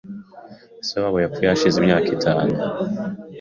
Se wabo yapfuye hashize imyaka itanu .